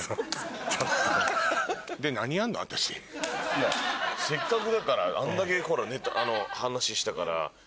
いやせっかくだからあんだけ話したから。